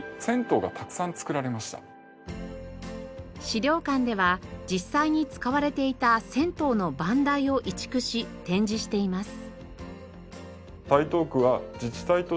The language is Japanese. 資料館では実際に使われていた銭湯の番台を移築し展示しています。